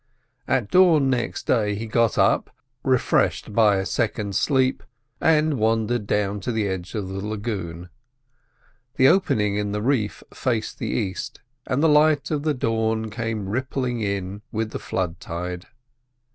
At dawn next day he got up, refreshed by a second sleep, and wandered down to the edge of the lagoon. The opening in the reef faced the east, and the light of the dawn came rippling in with the flooding tide.